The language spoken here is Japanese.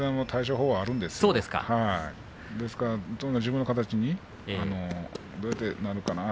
とにかく自分の形にどうやってなるかな。